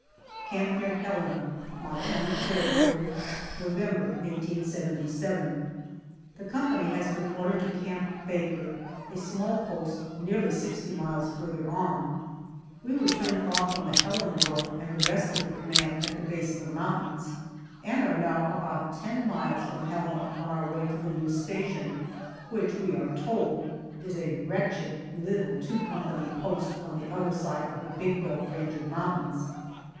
CAMP NEAR HELENA, MONTANA TERRITORY, November, 1877. THE company has been ordered to Camp Baker, a small post nearly sixty miles farther on. We were turned off from the Helena road and the rest of the command at the base of the mountains, and are now about ten miles from Helena on our way to the new station, which, we are told, is a wretched little two company post on the other side of the Big Belt range of mountains.